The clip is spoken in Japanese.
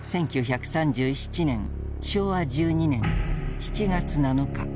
１９３７年昭和１２年７月７日。